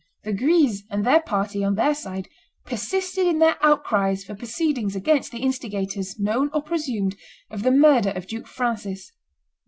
The Guises and their party, on their side, persisted in their outcries for proceedings against the instigators, known or presumed, of the murder of Duke Francis.